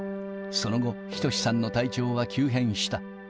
その後、仁さんの体調は急変した。